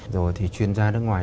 rồi thì chuyên gia nước ngoài